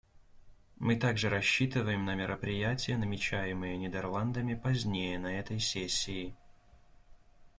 Мы также рассчитываем на мероприятия, намечаемые Нидерландами позднее на этой сессии.